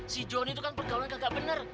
si joni itu kan pergaulan gak bener